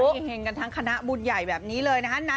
เฮงกันทั้งคณะบุญใหญ่แบบนี้เลยนะฮะ